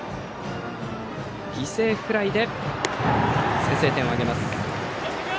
犠牲フライで先制点を挙げます。